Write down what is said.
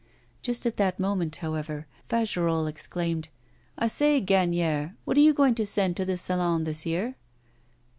Just at that moment, however, Fagerolles exclaimed, 'I say, Gagnière, what are you going to send to the Salon this year?